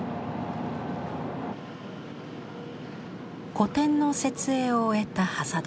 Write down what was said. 個展の設営を終えた挾土さん。